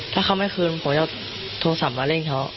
ถ้าเขาไม่คืนผมจะโทรศัพท์มาเร่งเขา